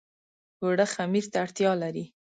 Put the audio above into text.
اوړه خمیر ته اړتيا لري